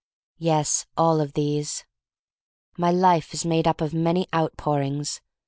"Yes, all of these. "My life is made up of many out pourings.